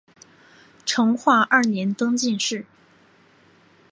成化二年登进士。